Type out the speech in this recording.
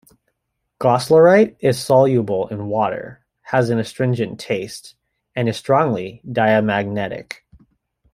Goslarite is soluble in water, has an astringent taste, and is strongly diamagnetic.